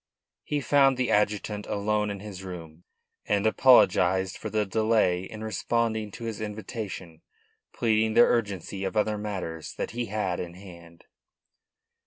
He found the adjutant alone in his room, and apologised for the delay in responding to his invitation, pleading the urgency of other matters that he had in hand.